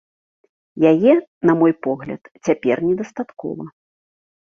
Яе, на мой погляд, цяпер недастаткова.